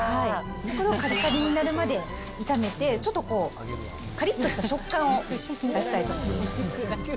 これをかりかりになるまで炒めて、ちょっとかりっとした食感を出したいと思います。